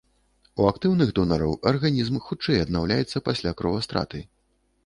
У актыўных донараў арганізм хутчэй аднаўляецца пасля кровастраты.